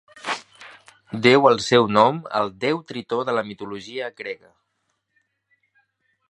Deu el seu nom al déu Tritó de la mitologia grega.